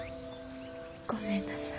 ごめんなさい。